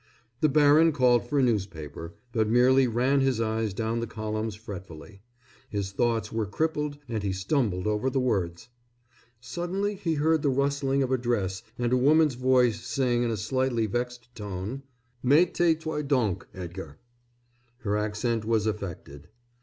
The baron called for a newspaper, but merely ran his eyes down the columns fretfully. His thoughts were crippled and he stumbled over the words. Suddenly he heard the rustling of a dress and a woman's voice saying in a slightly vexed tone: "Mais tais toi donc, Edgar." Her accent was affected.